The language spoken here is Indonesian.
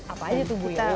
apa aja tuh bu ya